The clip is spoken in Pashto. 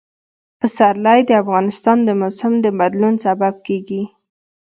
پسرلی د افغانستان د موسم د بدلون سبب کېږي.